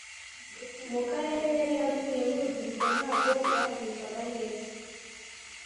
mu karere yari atuyemo urubyiruko ntago rwabyumvaga neza